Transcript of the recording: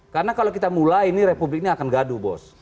karena kalau kita mulai ini republik ini akan gaduh bos